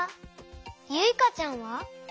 ゆいかちゃんは？